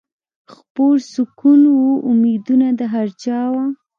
خپور سکون و امیدونه د هر چا وه